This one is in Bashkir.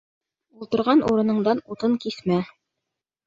Ултырған урыныңдан утын киҫмә.